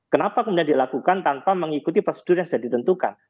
kenapa kemudian dilakukan tanpa mengikuti prosedur yang sudah ditentukan